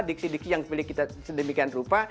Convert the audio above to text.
diksi diksi yang dipilih kita sedemikian rupa